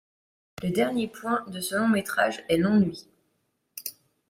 Le dernier point de ce long-métrage est l'ennui.